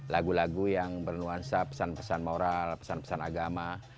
lagu lagu yang bernuansa pesan pesan moral pesan pesan agama